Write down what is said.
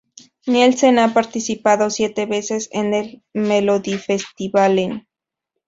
Nielsen ha participado siete veces en el Melodifestivalen.